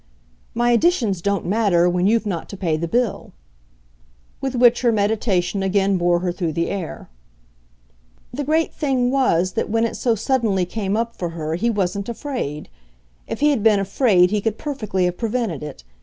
"My additions don't matter when you've not to pay the bill." With which her meditation again bore her through the air. "The great thing was that when it so suddenly came up for her he wasn't afraid. If he had been afraid he could perfectly have prevented it.